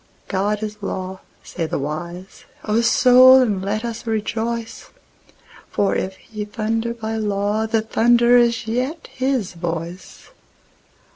God is law, say the wise; O Soul, and let us rejoice, For if He thunder by law the thunder is yet His voice.